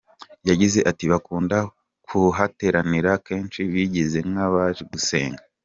Yagize ati ”Bakunda kuhateranira kenshi bigize nk’abaje gusenga”.